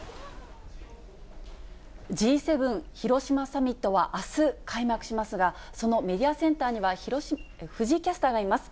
Ｇ７広島サミットはあす開幕しますが、そのメディアセンターには、藤井キャスターがいます。